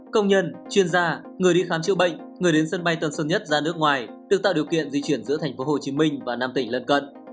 công nhân chuyên gia người đi khám chữa bệnh người đến sân bay tuần xuân nhất ra nước ngoài được tạo điều kiện di chuyển giữa thành phố hồ chí minh và nam tỉnh lân cận